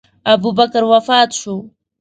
ابوبکر وفات شو.